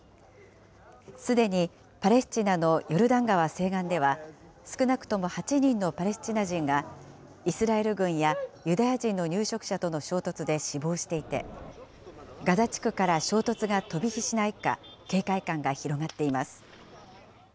すでにパレスチナのヨルダン川西岸では、少なくとも８人のパレスチナ人が、イスラエル軍やユダヤ人の入植者との衝突で死亡していて、ガザ地区から衝突が飛び火しないか、警戒感が広がっています。